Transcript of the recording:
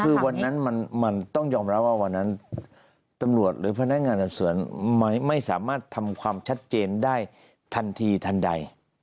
คือวันนั้นมันต้องยอมรับว่าวันนั้นตำรวจหรือพนักงานสอบสวนไม่สามารถทำความชัดเจนได้ทันทีทันใด